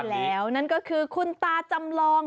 แล้วนั่นก็คือคุณตาจำลอง